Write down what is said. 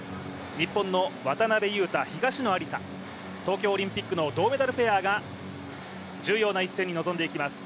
日本の渡辺勇大、東野有紗東京オリンピック銅メダルペアが重要な一戦に臨んでいきます。